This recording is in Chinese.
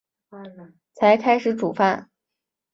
才开始煮饭